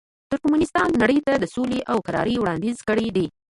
ترکمنستان نړۍ ته د سولې او کرارۍ وړاندیز کړی دی.